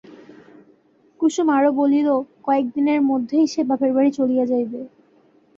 কুসুম আরও বলিল, কয়েক দিনের মধ্যেই সে বাপের বাড়ি চলিয়া যাইবে।